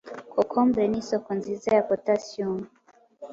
Kokombure ni isoko nziza ya potasiyumu